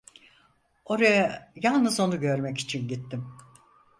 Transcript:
Oraya yalnız onu görmek için gittim.